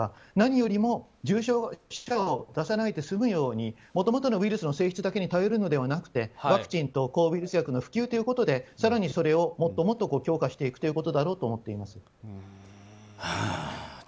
何よりも重症者を出さないで済むようにもともとのウイルスの性質だけに頼るのではなくてワクチンと抗ウイルス薬の普及でもっと強化していくことだと思っています。